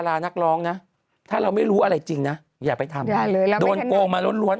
อย่างนี้ใช่ไหม